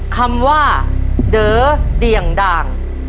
คำว่าเด๋อเดี่ยงด่าง